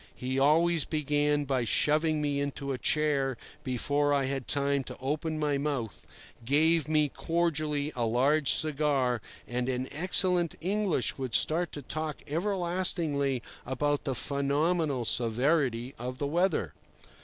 He always began by shoving me into a chair before I had time to open my mouth, gave me cordially a large cigar, and in excellent English would start to talk everlastingly about the phenomenal severity of the weather.